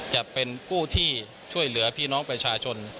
จะเป็นผู้ที่ช่วยเหลือพี่น้องประชาชน